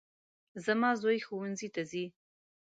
زما زوی ښوونځي ته ځي